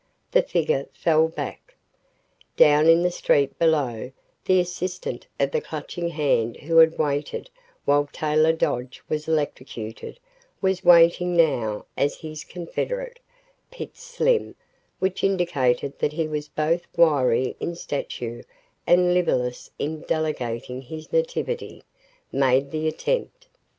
The figure fell back. Down in the street, below, the assistant of the Clutching Hand who had waited while Taylor Dodge was electrocuted, was waiting now as his confederate, "Pitts Slim" which indicated that he was both wiry in stature and libellous in delegating his nativity made the attempt.